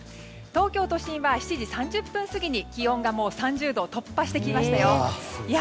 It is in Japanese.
東京都心は７時３０分過ぎに気温がもう３０度を突破してきましたよ。